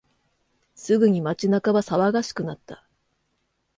すぐに街中は騒がしくなった。